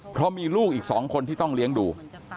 เพราะมีลูกอีก๒คนที่ต้องเลี้ยงดู